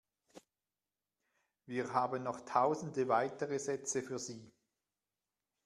Wir haben noch tausende weitere Sätze für Sie.